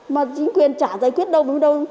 mà chính quyền chả giải quyết đâu mới đâu